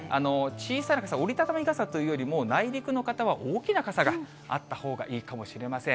小さな傘、折り畳み傘というよりも内陸の方は大きな傘があったほうがいいかもしれません。